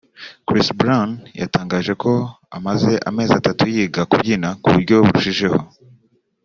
Chris Brown yatangaje ko amaze amezi atatu yiga kubyina ku buryo burushijeho